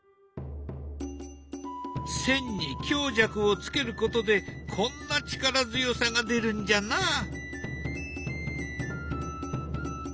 線に強弱をつけることでこんな力強さが出るんじゃな。